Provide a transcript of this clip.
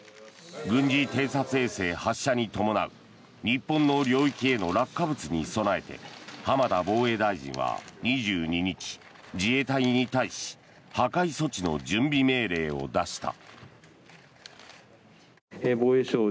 軍事偵察衛星発射に伴う日本の領域への落下物に備えて浜田防衛大臣は２２日自衛隊に対し破壊措置の準備命令を出した。